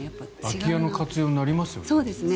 空き家の活用になりますよね。